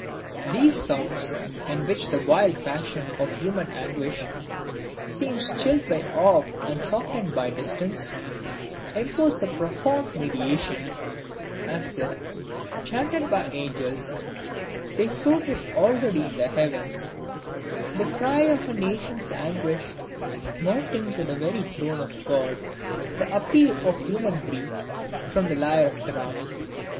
These sounds, in which the wild passion of human anguish seems chilled by awe and softened by distance, impose a profound meditation, as if, chanted by angels, they floated already in the heavens: the cry of a nation's anguish mounting to the very throne of God! The appeal of human grief from the lyre of seraphs!